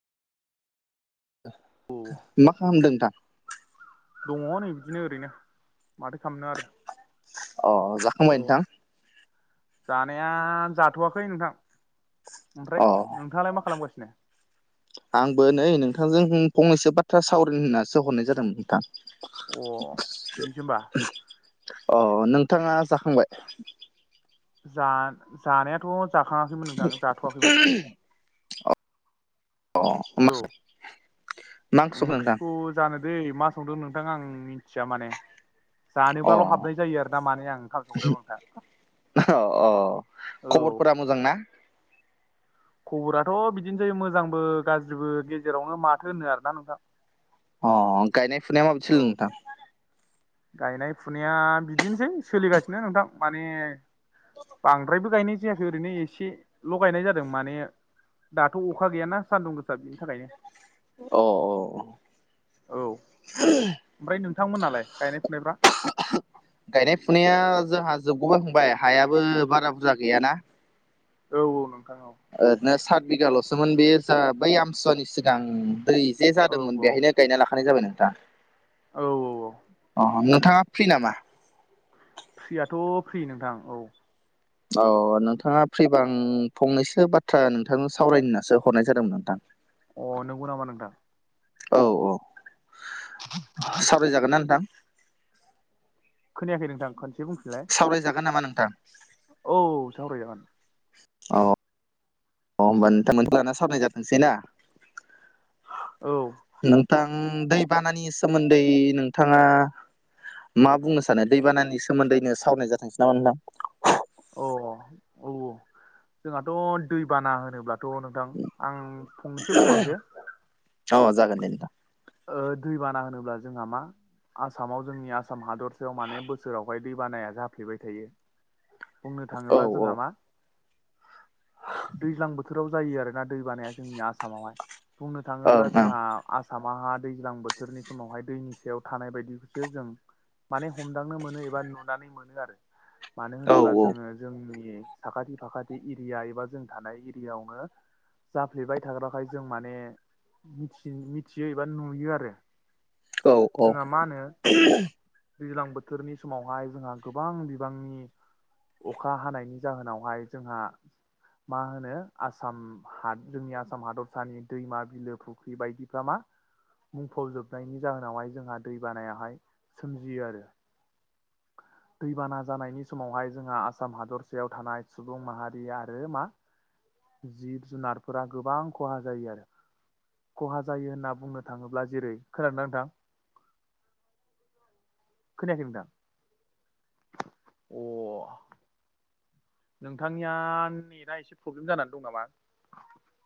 मा खालामदों नोंथां? दंङो नै बिदिनो ओरैनो माथो खालामनो आरो। अ औ जाखांबाय नोंथां। जानाया जाथ'वाखै नोंथां अ ओमफ्राय नोंथाङालाय मा खालामगासिनो आंबो नै नोंथांजों फंनैसो बाथ्रा सावरनो होननासो हरनाय जादोंमोन नोंथां। अ। बिजोमबा। अ नोंथाङा जाखांबाय। जानायाथ' जाखाङाखैमोन नोंथां जाथ'वाखैमोन। अ मा औ ओंख्रि संखो नोंथां? ओंख्रिखौ जानो दै मा संदों नोंथां आं मिथिया माने। अ जानोबाल' हाबनाय जायो आरोना माने आं ओंखाम संग्रो नोंथा। अ अ खबरफोरा मोजां ना? खबराथ' बिदिनोसै मोजांबो गाज्रिबो गेजेरावनो माथो होनो आरोना नोंथां। अ गायनाय फुनाया माबदि औ सोलिदों नोंथां? गायनाय फुनाया बिदिनोसै सोलिगासिनो नोंथां माने। बांद्रायबो गायनाय जायाखै ओरैनो एसेल' गायनाय जादों माने। दाथ' अखा गैयाना सान्दुं गोसा बिनि थाखायनो। अ औ ओमफ्राय नोंथांमोननालाय गायनाय फुनायफ्रा गायनाय फुनाया जोंहा जोबगौबाय थांबाय हायाबो बारा बुरजा गैयाना। औ औ नोंथां औ। ओरैनो सात बिघाल'सोमोन बे जा बै आमसुवानि सिगां दै जे औ जादोंमोन बेहायनो। गायना लाखानाय जाबाय नोंथाङ औ औ अ नोंथाङा फ्रि नामा? फ्रियाथ' फ्रि नोंथां औ। अ नोंथाङा फ्रिबां फंनैसो बाथ्रा नोंथांनो सावरायनोनासो हरनाय जादोंमोन नोंथां। अ नंगौ नामा नोंथां? औ औ सावरायजागोन ना नोंथां? खोनायाखै नोंथां खनसे बुंफिनलाय। सावरायजागोन नामा नोंथां? औ सावरायजागोन। औ होमबा नोंथांमोनखौ लाना सावनाय जाथोंसै ना? औ। नोंथां दैबानानि सोमोन्दै नोंथाङा मा बुंनो सानो दैबानानि सोमोन्दैनो सावरायनाय जाथोंसै नामा नोंथां? अ औ जोंहाथ' दैबाना होनोब्लाथ' नोंथां आं। फंनैसो बुंलांसै औ जागोन दे नोंथां। दै बाना होनोब्ला जोंहा मा आसामाव जोंनि आसाम हादरसायाव माने बोसोरावहाय दै बानाया जाफ्लेबाय थायो। बुंनो औ थाङोब्ला औ जोंहा मा दैज्लां बोथोराव जायो आरोना दै बानाया जोंनि आसामावहाय बुंनो ओं थाङोब्ला ओं जोंहा औ आसाम। मा दैज्लां बोथोरनि समावहाय दैनि सायाव थानाय बायदिखौसो जों माने हमदांनो मोनो एबा नुनानै मोनो आरो मानो होनोब्ला औ जोङो। जोंनि साखाथि फाखाथि एरिया एबा जों थानाय एरियाायावनो। जाफ्लेबाय थाग्राखाय जों माने मिथि मिथियो एबा नुयो आरो औ औ जोंहा मा होनो? दैज्लां बोथोरनि समावहाय जोंहा गोबां बिबांनि अखा हानायनि जाहोनावहाय जोंहा मा होनो आसाम हा जोंनि आसाम हादरसानि दैमा बिलो फुख्रि बायदि प्र्रामा मुंफब जोबनायनि जाहोनावहाय जोंहा दै बानायाहाय सोमजियो आरो। [inaudible] दैबाना जानायनि समावहाय जोंहा आसाम हादरसेायाव थानाय सुबुं माहारि आरो मा जिब जुनारफोरा गोबां खहा जायो आरो खहा जायो होनना बुंनो थाङोब्ला जेरै खोनादोंना नोंथां? खोनायाखै नोंथां? [unintelligible] नोंथांनिया नेटआ एसे प्रब्लेम जानानै दं नामा?